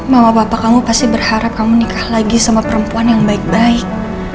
mama bapak kamu pasti berharap kamu nikah lagi sama perempuan yang baik baik